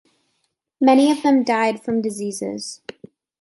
Many of them died from diseases.